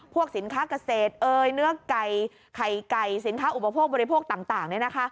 พวกสินค้าเกษตรเนื้อไก่ไข่ไก่สินค้าอุปโภคบริโภคต่าง